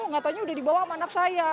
nggak tau aja udah dibawa sama anak saya